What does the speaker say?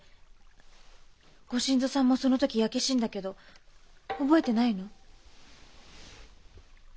ご新造さんもその時焼け死んだけど覚えてないの？